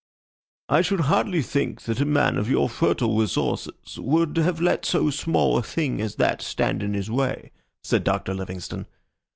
"I should hardly think that a man of your fertile resources would have let so small a thing as that stand in his way," said Doctor Livingstone.